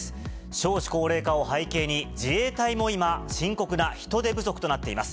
少子高齢化を背景に、自衛隊も今、深刻な人手不足となっています。